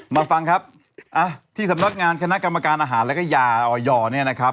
มาฟังครับที่สำนักงานคณะกรรมการอาหารแล้วก็ยาออยเนี่ยนะครับ